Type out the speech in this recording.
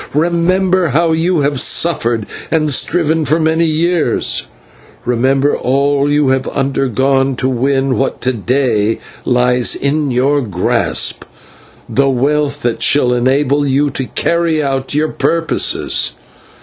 Remember how you have suffered and striven for many years, remember all you have undergone to win what to day lies in your grasp, the wealth that shall enable you to carry out your purposes.